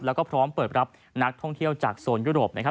แล้วก็พร้อมเปิดรับนักท่องเที่ยวจากโซนยุโรปนะครับ